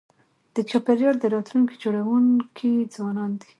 د چاپېریال د راتلونکي جوړونکي ځوانان دي.